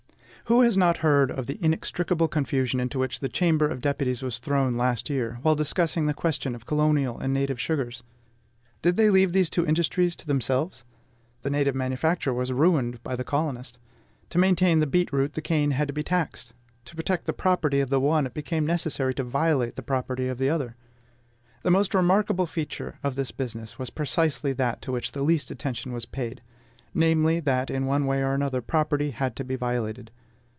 Who has not heard of the inextricable confusion into which the Chamber of Deputies was thrown last year, while discussing the question of colonial and native sugars? Did they leave these two industries to themselves? The native manufacturer was ruined by the colonist. To maintain the beet root, the cane had to be taxed. To protect the property of the one, it became necessary to violate the property of the other. The most remarkable feature of this business was precisely that to which the least attention was paid; namely, that, in one way or another, property had to be violated.